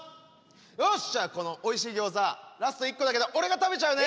よしじゃあこのおいしいギョーザラスト一個だけど俺が食べちゃうね！